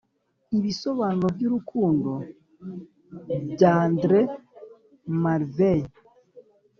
"ibisobanuro by'urukundo" by andrew marvell